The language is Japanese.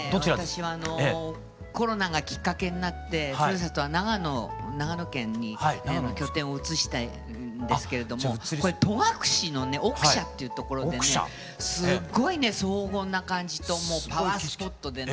私はあのコロナがきっかけになってふるさとは長野長野県に長野に拠点を移したんですけれどもこれ戸隠のね奥社っていうところでねすっごいね荘厳な感じともうパワースポットでね